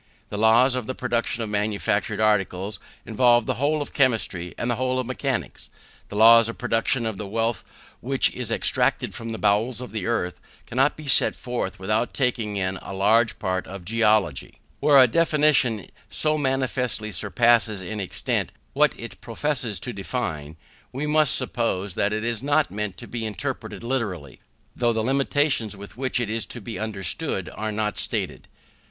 The laws of the production of manufactured articles involve the whole of chemistry and the whole of mechanics. The laws of the production of the wealth which is extracted from the bowels of the earth, cannot be set forth without taking in a large part of geology. When a definition so manifestly surpasses in extent what it professes to define, we must suppose that it is not meant to be interpreted literally, though the limitations with which it is to be understood are not stated.